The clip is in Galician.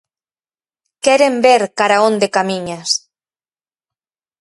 Queren ver cara a onde camiñas.